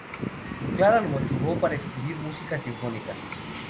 Clara lo motivó para escribir música sinfónica.